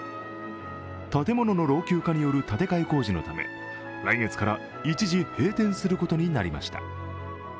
建物の老朽化による建て替え工事のため、来月から一時閉店することになりました。